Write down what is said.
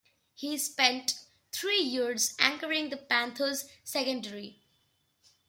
He spent three years anchoring the Panthers' secondary.